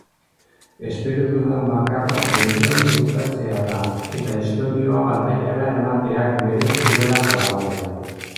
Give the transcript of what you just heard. Espero dudan bakarra jendeari gustatzea da eta istorioa pantailara eramateak merezi duela frogatzea.